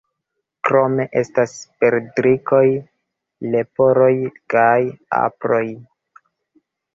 Krome estas perdrikoj, leporoj kaj aproj.